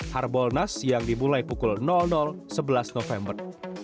harbolnas yang dimulai pukul sebelas november